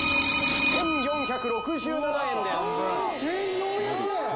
１，４００円！？